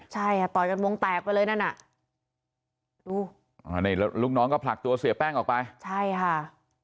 ใช่อ่ะต่อยกันวงแตกไปเลยนั่นอ่ะดูอ่านี่แล้วลูกน้องก็ผลักตัวเสียแป้งออกไปใช่ค่ะ